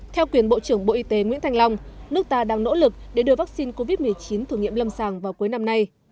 theo quyền bộ trưởng bộ y tế nguyễn thanh long nước ta đang nỗ lực để đưa vaccine covid một mươi chín thử nghiệm lâm sàng vào cuối năm nay